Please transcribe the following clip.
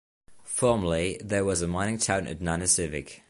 Formerly there was a mining town at Nanisivik.